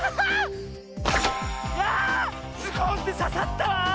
ズコンってささったわ！